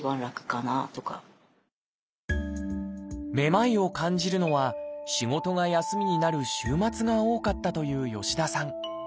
めまいを感じるのは仕事が休みになる週末が多かったという吉田さん。